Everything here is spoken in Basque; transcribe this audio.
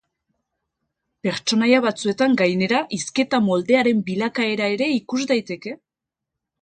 Pertsonaia batzuetan, gainera, hizketa moldearen bilakaera ere ikus daiteke.